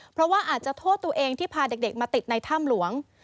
เพราะว่าอาจจะโทษตัวเองที่พาเด็กมาติดในถ้ำหลวง